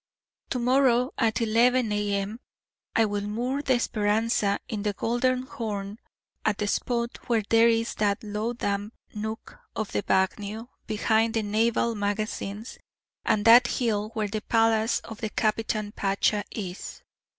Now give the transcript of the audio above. To morrow at 11 A.M. I will moor the Speranza in the Golden Horn at the spot where there is that low damp nook of the bagnio behind the naval magazines and that hill where the palace of the Capitan Pacha is.